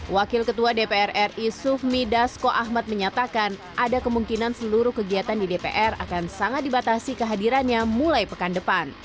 wakil ketua dpr ri sufmi dasko ahmad menyatakan ada kemungkinan seluruh kegiatan di dpr akan sangat dibatasi kehadirannya mulai pekan depan